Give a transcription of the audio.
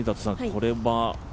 これは？